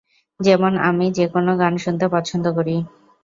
যেমন আমি যেকোনো গান শুনতে পছন্দ করি।